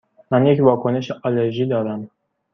من یک واکنش آلرژی دارم.